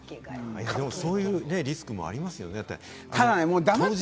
でもそういうリスクもありますよね、だって。